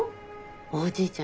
おじいちゃん